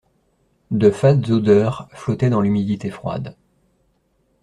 De fades odeurs flottaient dans l'humidité froide.